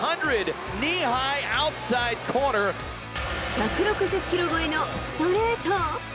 １６０キロ超えのストレート。